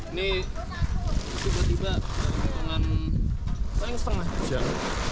ini tiba tiba ke lapangan setengah jam